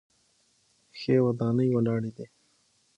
ښې ودانۍ ولاړې دي.